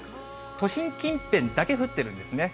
都心近辺だけ降ってるんですね。